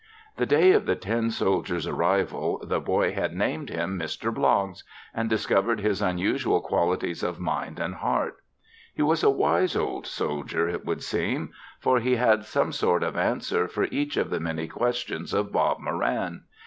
The day of the tin soldier's arrival the boy had named him Mr. Bloggs and discovered his unusual qualities of mind and heart. He was a wise old soldier, it would seem, for he had some sort of answer for each of the many questions of Bob Moran.